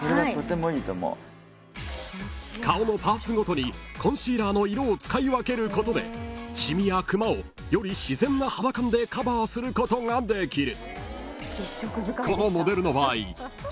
［顔のパーツごとにコンシーラーの色を使い分けることで染みやくまをより自然な肌感でカバーすることができる］